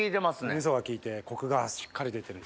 お味噌が利いてコクがしっかり出てるんですね。